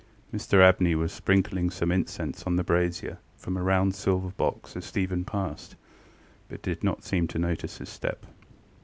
Mr Abney was sprinkling some incense on the brazier from a round silver box as Stephen passed, but did not seem to notice his step.